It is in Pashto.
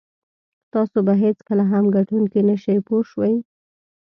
تاسو به هېڅکله هم ګټونکی نه شئ پوه شوې!.